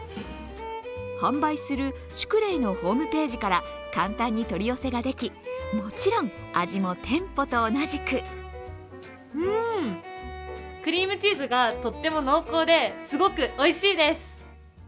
販売するシュクレイのホームページから簡単に取り寄せができもちろん、味も店舗と同じくうん、クリームチーズがとっても濃厚ですごくおいしいです！